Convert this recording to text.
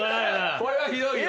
これはひどいよ。